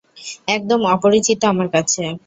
একদম অপরিচিত আমার কাছে।